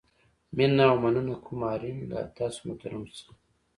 مینه او مننه کوم آرین له تاسو محترمو څخه.